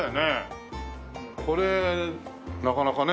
これなかなかね。